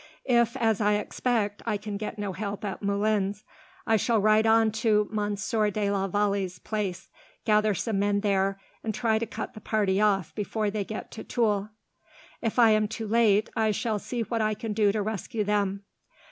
If, as I expect, I can get no help at Moulins, I shall ride on to Monsieur de la Vallee's place, gather some men there, and try to cut the party off before they get to Tulle. If I am too late, I shall see what I can do to rescue them.